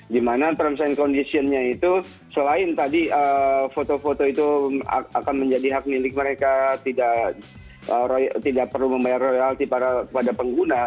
dimana terms and conditionnya itu selain tadi foto foto itu akan menjadi hak milik mereka tidak perlu membayar royalti pada pengguna